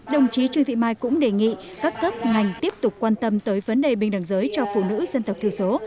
đồng chí trương thị mai cũng đề nghị các cấp ngành tiếp tục quan tâm tới vấn đề bình đẳng giới cho phụ nữ dân tộc thiểu số